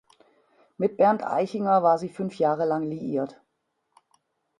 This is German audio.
Mit Bernd Eichinger war sie fünf Jahre lang liiert.